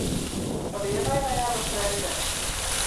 Pa vienai vai abas reizē?